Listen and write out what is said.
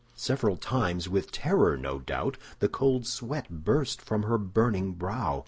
Several times, with terror, no doubt, the cold sweat burst from her burning brow.